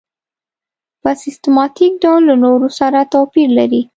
په سیستماتیک ډول له نورو سره توپیر لري.